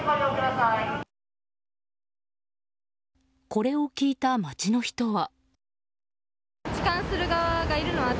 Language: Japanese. これを聞いた街の人は。